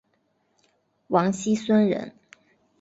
王沂孙人。